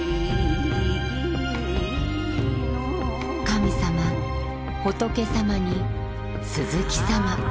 神様仏様に鈴木様。